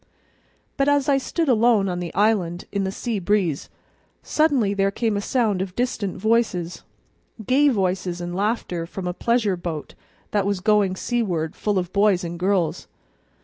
But as I stood alone on the island, in the sea breeze, suddenly there came a sound of distant voices; gay voices and laughter from a pleasure boat that was going seaward full of boys and girls.